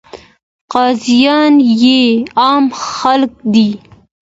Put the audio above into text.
قاضیان یې عام خلک دي.